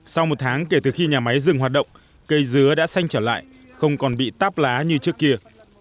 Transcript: sau một tháng kể từ khi nhà máy dừng hoạt động cây dứa đã xanh trở lại không còn bị tắp lá như trước kia